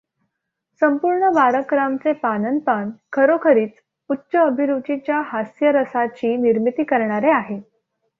संपूर्ण बाळकरामचे पानन् पान खरोखरीच उच्च अभिरुचीच्या हास्यरसाची निर्मिती करणारे आहे.